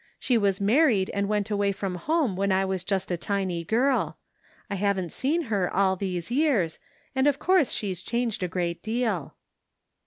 She was married and went away from home when I was just a tiny girl. I haven't seen her all these years, and of course she's changed a great deal."